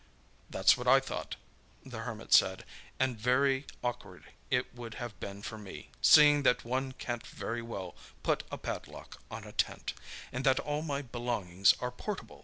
"That's what I thought," the Hermit said; "and very awkward it would have been for me, seeing that one can't very well put a padlock on a tent, and that all my belongings are portable.